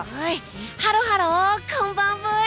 ハロハロこんばんブイ！